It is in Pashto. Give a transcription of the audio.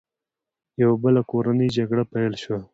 یوه بله کورنۍ جګړه پیل شوه.